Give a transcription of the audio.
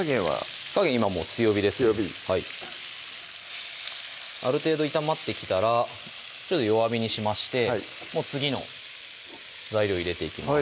火加減今もう強火ですある程度炒まってきたらちょっと弱火にしまして次の材料入れていきます